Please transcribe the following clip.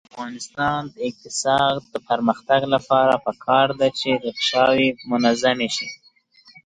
د افغانستان د اقتصادي پرمختګ لپاره پکار ده چې ریکشاوې منظمې شي.